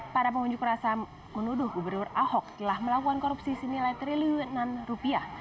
para pengunjuk rasa menuduh gubernur ahok telah melakukan korupsi senilai triliunan rupiah